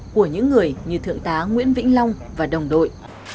của những người như thượng tá nguyễn vĩnh long và đồng đội